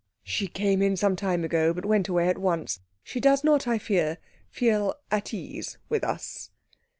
"She came in some time ago, but went away at once. She does not, I fear, feel at ease with us."